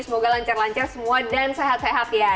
semoga lancar lancar semua dan sehat sehat ya